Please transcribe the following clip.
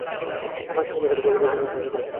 লাজ-শরমের সাথে পবিত্রতার কোন সম্পর্ক নেই।